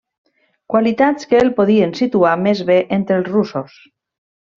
Qualitats que el podien situar més bé entre els russos.